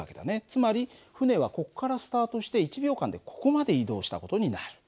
つまり船はここからスタートして１秒間でここまで移動した事になる。